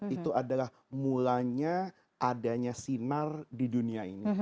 itu adalah mulanya adanya sinar di dunia ini